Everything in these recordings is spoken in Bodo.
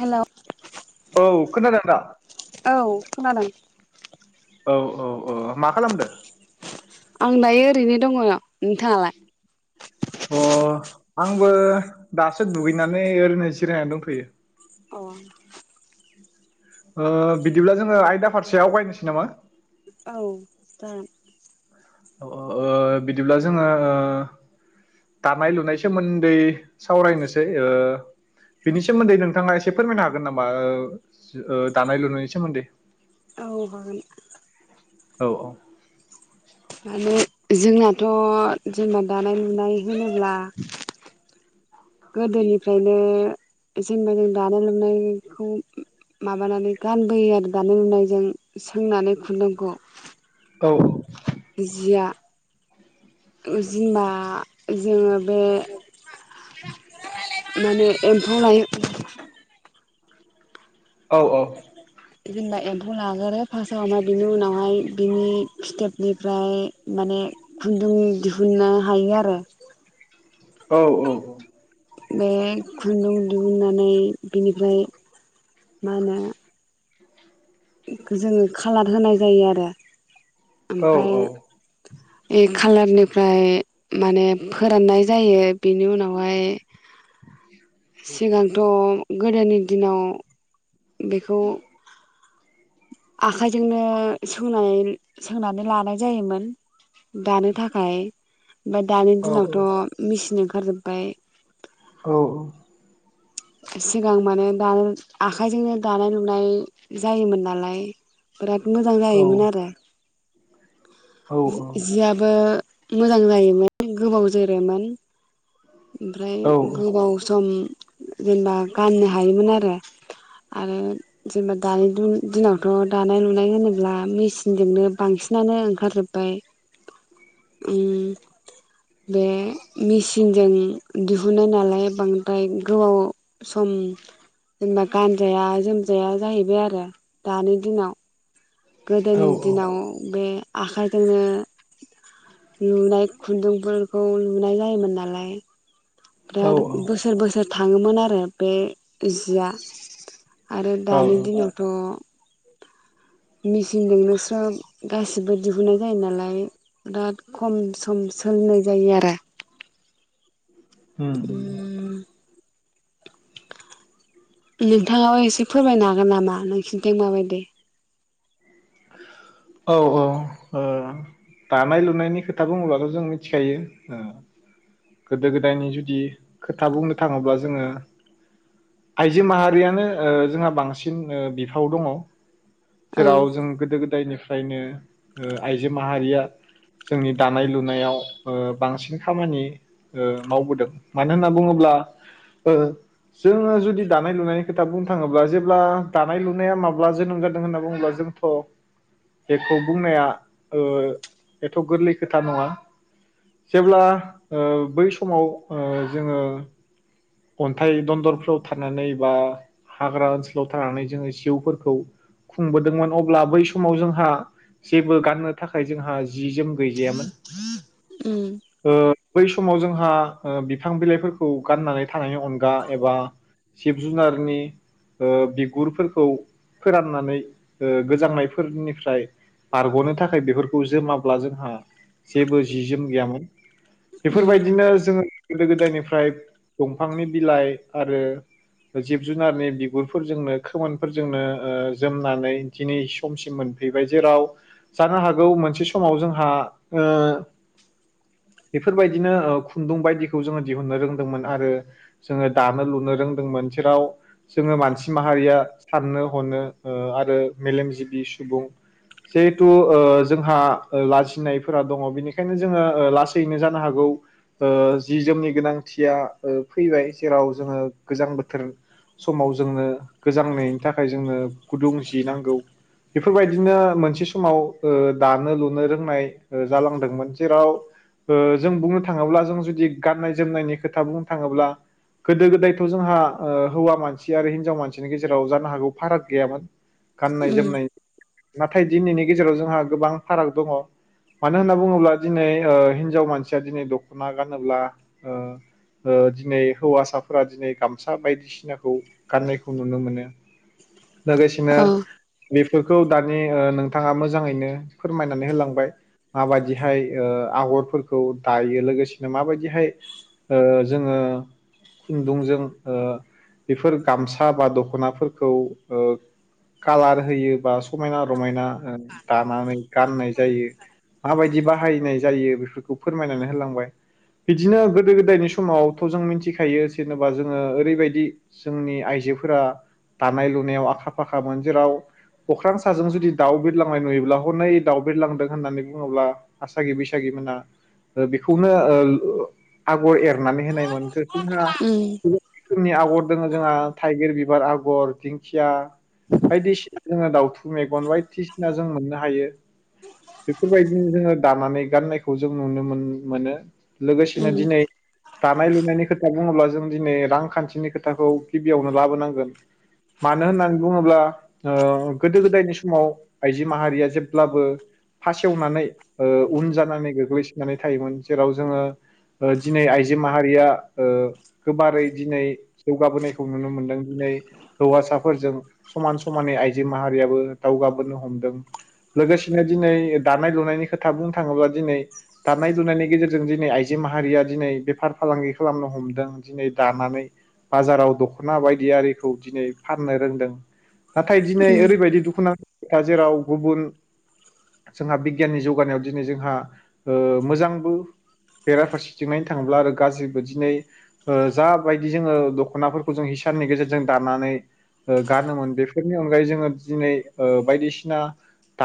हेलौ औ खोनादोंदा? औ खोनादों। औ औ ओ मा खालामदो? आं दायो ओरैनो दङ नोंथाङालाय? अ आंबो दासो दुगैनानै ओरैनो जिरायनानै दंथयो। अ ओ बिदिब्ला जोङो आयदा फारसे आवगायनोसै नामा? औ जागोन ओ बिदिब्ला जोङो ओ दानाय लुनाय सोमोन्दै सावरायनोसै ओ बिनि सोमोन्दै नोंथाङा एसे फोरमायनो हागोन नामा? ओ ओ दानाय लुनायनि सोमोन्दै। औ हागोन। औ अ माने जोंनाथ' जेनबा दानाय लुनाय होनोब्ला गोदोनिफ्रायनो जेनेबा जों दानाय लुनाय खौ माबानानै गानबोयो आरो दानाय लुनायजों सोंनानै खुन्दुंखौ। औ औ जिया जिमा जोङो बे माने एम्फौ लायो [inaudible] औ, औ। जेनेबा एम्फौ लागोरो फार्स्टआवनो बिनि उनावहाय बिनि फिथोबनिफ्राय माने खुन्दुं दिहुननो हायो आरो। औ औ बे खुन्दुं दिहुननानै बिनिफ्राय मा होनो इखो जोङो खालार होनाय जायो आरो औ ओमफ्राय औ बे खालारनिफ्राय माने फोराननाय जायो बेनि उनावहाय [inaudible] सिगांथ गोदोनि दिनाव बेखौ आखाइजोंनो सोंनाय सोंनानै लानाय जायोमोन दानो थाखाय। ओमफाय दानि औ दिनावथ' मिसिन ओंखारजोबबाय औ अ सिगां माने दाल आखाइजोंनो दानाय लुनाय जायोमोन नालाय बिराद मोजां जायोमोन आरो जियाबो मोजां जायोमोन गोबाव जोरोमोन ओमफ्राय गोबाव सम जेनेबा गाननो हायोमोन आरो आरो जेनबा दानि दिन-दिनावथ दानाय लुनाय होनोब्ला मिसिनजोंनो बांसिनानो ओंखारजोब्बाय उम बे मिसिन जों दिहुन्नाय नालाय बांद्राय गोबाव सम जेनेबा गानजाया जोमजाया जाहैबाय आरो दानि दिनाव औ गोदोनि दिनाव बे आखायजोंनो लुनाय खुन्दुंफोरखौ लुनाय जायोमोन नालाय औ औ [unintelligible] बोसोर बोसोर थाङोमोन आरो बे जिया। आरो औ औ दानि दिनावथ मिसिजोंनो स्रोब गासिबो दिहुननाय जायो नालाय बिराद खम सम सोलिनाय जायो आरो उम [inaudible] नोंथाङाबो एसे फोरमायनो हागोन नामा नोंसिनिथिं माबायदि? औ औ ओ दानाय लुनायनि खोथा बुङोब्लाथ' जों मिथिखायो गोदो गोदायनि जुदि खोथा बुंनो थाङोब्ला जोङो आइजो माहारियानो ओ जोंहा बांसिन ओ बिफाव दङ। औ जेराव जों गोदो गोदायनिफ्रायनो ओ आइजो माहारिया जोंनि दानाय लुनायाव ओ बांसिन खामानि ओ मावबोदों मानो होनना बुङोब्ला ओ जोङो जुदि दानाय लुनायनि खोथा बुंनो थाङोब्ला जेब्ला दानाय लुनाया माब्ला जोनोम जादों होनना बुङोब्ला जोंथ' बेखौ बुंनाया ओ एथ' गोरलै खोथा नङा जेब्ला ओ बै समाव ओ जोङो अन्थाइ दन्दरफ्राव थानानै बा हाग्रा ओनसोलाव थानानै जोङो जिउफोरखौ खुंबोदोंमोन अब्ला बै समाव जोंहा जेबो गाननो थाखाय जोंहा जि जोम गैजायामोन उम ओ बै समाव जोंहा ओ बिफां बिलाइफोरखौ गाननानै थानायनि अनगा एबा जिब जुनारनि ओ बिगुरफोरखौ फोराननानै ओ गोजांनाय फोरनिफ्राय बारग'नो थाखाय बेफोरखौ जोमाब्ला जोंहा जेबो जि जोम गैयामोन। उम बेफोरबायदिनो जोङो गोदो गोदायनिफ्राय दंफांनि बिलाइ आरो जिब जुनारनि बिगुरफोरजोंनो खोमोनफोरजोंनो ओ जोमनानै दिनै समसिम मोनफैबाय जेराव जानो हागौ मोनसे समाव जोंहा ओ बेफोरबायदिनो ओ खुन्दुं बायदिखौ जोङो दिहुननो रोंदोंमोन। आरो जोङो दानो लुनो रोंदोंमोन जेराव जोङो मानसि माहारिया साननो हनो ओ आरो मेलेमजिबि सुबुं जेहेथु ओ जोंहा ओ लाजिनायफोरा दङ बेनिखायनो जोङो ओ लासैनो जानो हागौ ओ जि जोमनि गोनांथिया ओ फैबाय जेराव जोङो गोजां बोथोर समाव जोंनो गोजांनायनि थाखाय जोंनो गुदुं जि नांगौ बेफोरबायदिनो मोनसे समाव ओ दानो लुनो रोंनाय ओ जालांदोंमोन जेराव ओ जों बुंनो थाङोब्ला जों जुदि गाननाय जोमनायनि खोथा बुं थाङोब्ला गोदो गोदायथ' जोंहा ओ हौवा मानसि आरो हिनजाव मानसिनि गेजेराव जानो हागौ फाराग गैयामोन। गाननाय उम जोमनाय नाथाय दिनैनि गेजेराव जोंहा गोबां फाराग दङ मानो होनना बुङोब्ला दिनै ओ हिनजाव मानसिया दिनै दख'ना गानोब्ला ओ ओ दिनै हौवासाफोरा दिनै गामसा बायदिसिनाखौ गाननायखौ नुनो मोनो। लोगोसेनो औ बि बेखौ दानि ओ नोंथाङा मोजाङैनो फोरमायनानै होलांबाय माबायदिहाय ओ आगरफोरखौ दायो लोगोसेनो माबायदिहाय ओ जोङो खुन्दुंजों ओ बेफोर गामसा बा दखनाफोरखौ ओ कालार होयो बा समायना रमायना ओ दानानै गाननाय जायो माबायदि बाहायनाय जायो बेफोरखौ फोरमायनानै होलांबाय बिदिनो गोदो नि समावथ' जों मिनथिखायो जेनेबा जोङो ओरैबायदि जोंनि आइजोफोरा दानाय लुनायाव आखा फाखामोन जेराव अख्रां साजों जुदि दाउ बिरलांनाय नुयोब्ला हनै दाउ बिरलांदों होननानै बुङोब्ला आसागि बैसागि मोना ओ बेखौनो ओ आगर एरनानै होनाय मोनखो जोंहा उम गोबां रोखोमनि आगर दोङो जोंहा थाइगिर बिबार आगर, दिंखिया बायदिसिना दाउथु मेगन बायदिसिना जों मोननो हायो बेफोरबायदिनो जोङो दानानै गाननायखौ जों नुनो मोन मोनो लोगोसेनो उम दिनै दानाय लुनायनि खोथा बुङोब्ला जों दिनै रांखान्थिनि खोथाखौ गिबियावनो लाबोनांगोन मानो होननानै बुङोब्ला ओ गोदो गोदायनि समाव आइजो माहारिया जेब्लाबो फासेवनानै ओ उन जानानै गोग्लैसोनानै थायोमोन जेराव जोङो ओ दिनै आइजो माहारिया ओ गोबारै दिनै जौगाबोनायखौ नुनो मोनदों दिनै हौवासाफोरजों समान समानै आइजो माहारियाबो दावगाबोनो हमदों लोगोसेनो दिनै दानाय लुनायनि खोथा बुंनो थाङोब्ला दिनै दानाय लुनायनि गेजेरजों दिनै आइजो माहा रिया दिनै बेफार फालांगि खालामनो हमदों दिनै दानानै बाजाराव दखना बायदि आरिखौ दिनै फाननो रोंदों नाथाय दिनै उम ओरैबायदि दुखुनां दा जेराव गुबुन जोंहा बिगियाननि जौगानायाव दिनै जोंहा ओ मोजांबो बेराफारसे थाङोब्ला आरो गाज्रिबो दिनै ओ जाबायदि जोङो दख'नाफोरखौ जों हिसाननि गेजेरजों दानानै ओ गानोमोन बेफोरनि अनगायै जोङो दिनै ओ बायदिसिना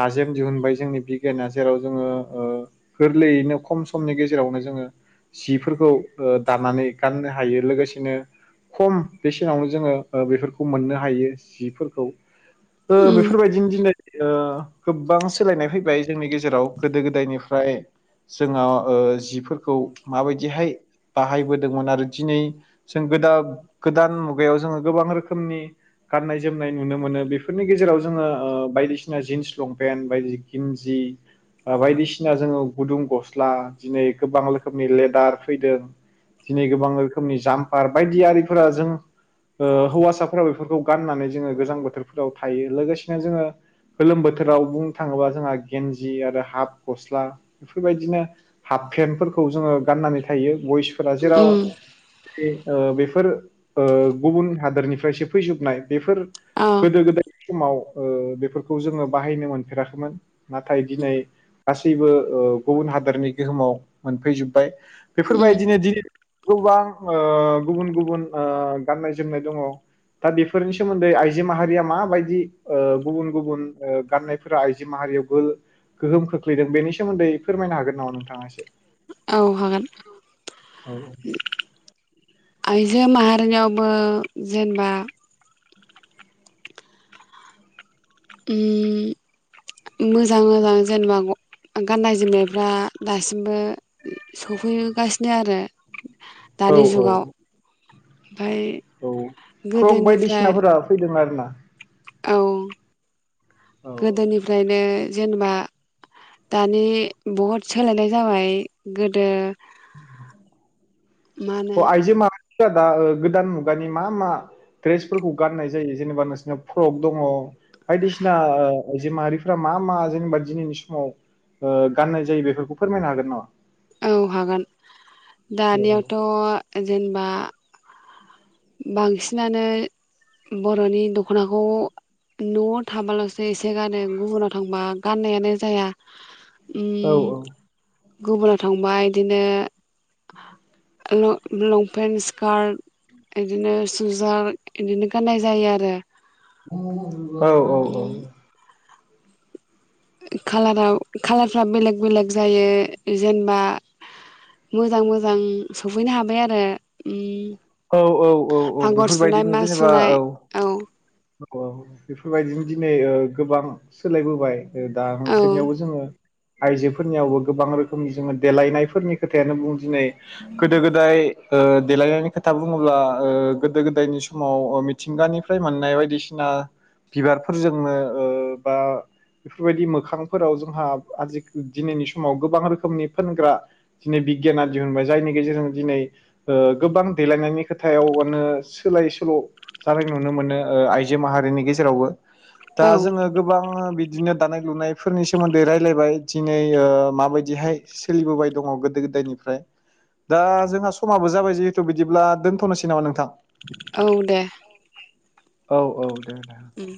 दाजेम दिहुनबाय जोंनि बिगियाना जेराव जोङो ओ गोरलैयैनो खम समनि गेजेरावनो जोङो जिफोरखौ ओ दानानानै गाननो हायो लोगोसेनो खम बेसेनावनो जोङो ओ बेफोरखौ मोननो हायो जिफोरखौ। ओ उम बेफोरबायदिनो दिनै ओ गोबां सोलायनाय फैबाय जोंनि गेजेराव गोदो गोदायनिफ्राय जोंहा ओ जिफोरखौ माबायदिहाय बाहायबोदोंमोन आरो दिनै जों गोदा गोदान मुगायाव जोङो गोबां रोखोमनि गाननाय जोमनाय नुनो मोनो बेफोरनि गेजेराव जोङो ओ बायदिसिना जिन्स लंपेन्ट बायदि गिन्जि बा बायदिसिना जोङो गुदुं गस्ला दिनै गोबां रो रोखोमनि लेदार फैदों दिनै गोबां रोखोमनि जामफार बायदि आरिफोरा जों ओ हौवासाफोरा बेफोरखौ गाननानै जोंङो गोजां बोथोरफोराव थायो लोगोसेनो जोंङो गोलोम बोथोराव बुंनो थांङोबा जोंहा गेन्जि आरो हाफ गस्ला बेफोरबायदिनो हाफ पेन्टफोर खौ जोंङो गाननानै थायो। बयसफोरा जेराव उम ओ बेफोर ओ गुबुन हादरनिफ्रायसो फैजोबनाय बेफोर औ गोदो गोदाय समाव ओ बेफोरखौ जोंङो बाहायनो मोनफेराखैमोन नाथाय दिनै गासैबो ओ गुबुन हादरनि गोहोमाव मोनफैजोब्बाय उम बेफोरबायदिनो दि गोबां ओ गुबुन गुबुन ओ गाननाय जोमनाय दंङ दा बेफोरनि सोमोन्दै आइजो माहारिया माबायदि ओ गुबुन गुबुन ओ गाननायफोरा ओ आइजो माहारियाव गोल गोहोम खोख्लैदों बेनि सोमोन्दै फोरमायनो हागोन नामा नोंथांङा एसे? औ हागोन औ आयजो माहारिनिङावबो जेनेबा उम मोजां मोजां जेनेबा ग गाननाय जोमनायफ्रा दासिमबो सफैगासिनो आरो दानि औ औ जुगाव ओमफाय औ फ्रक गोदोनिफ्राय बायदिसिनाफोरा फैदों आरो ना? [inaudible] औ गोदोनिफ्रायनो जेनेबा दानि बहुद सोलायनाय जाबाय गोदो [inaudible] मा होनो अ आइजो मा [unintelligible] गोदान मुगानि मा मा ड्रेसफोरखौ गाननाय जायो जेनेबा नोंसिरनाव फ्रक दंङ। बायदिसिना ओ आइजो माहारिफ्रा मा मा जेनेबा दिनैनि समाव ओ गाननाय जायो बेफोरखौ फोरमायनो हागोन नामा औ हागोन दानियावथ जेनेबा बांसिनानो बरनि दखनाखौ नआव थाबालासो एसे गानो गुबुनाव थांबा गाननायानो जाया उम औ गुबुनाव थांबाय इदिनो ल-लंपेन्ट स्कार्ट इदिनो सुजार इदिनो गाननाय जायो आरो औ औ औ खाालाराव कालारफ्रा बेलेग बेलेग जायो जेनेबा मोजां मोजां सफैनो हाबाय आरो उम औ औ औ औ आगर सुनाय बेफोरबायदिनो मा जेनेबा सुनाय औ औ औ बेफोरबायदिनो दिनै ओ गोबां सोलायबोबाय दा औ नोंसोरनियावबो जोंङो आइजोफोरनियावबो गोबां रोखोमनि जोंङो देलायनायफोरनि खोथायानो बुं दिनै गोदो गोदाय ओ देलायनायनि [unintelligible] खोथा बुंङोब्ला ओ गोदो गोदायनि समाव ओ मिथिंगानिफ्राय मोननाय बायदिसिना बिबारफोरजोंनो ओ बा बेफोरबायदि मोखांफोराव जोंहा आजि दिनैनि समाव गोबां रोखोमनि फोनग्रा दिनै बिगियाना दिहुनबाय जायनि गेजेरजों दिनै ओ गोबां देलायनायनि खोथायावनो सोलाय सोल' जानाय नुनो मोनो ओ आइजो माहारिनि गेजेरावबो दा औ जोंङो गोबां बि बिदिनो दानाय लुनायफोरनि सोमोन्दै रायलायबाय दिनै ओ माबायदिहाय सोलिबोबाय दङ गोदो गोदायनिफ्राय दा जोंहा समाबो जाबाय जि थ बिदिब्ला दोनथनोसै नामा नोंथां? औ दे। औ औ दे ना उम